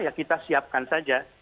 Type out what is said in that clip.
ya kita siapkan saja